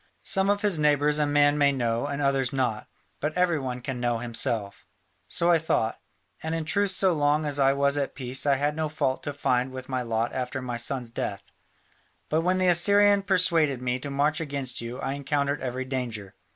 Some of his neighbours a man may know and others not: but every one can know himself. So I thought, and in truth so long as I was at peace I had no fault to find with my lot after my son's death; but when the Assyrian persuaded me to march against you I encountered every danger.